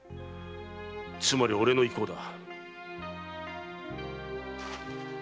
つまり俺の意向だ。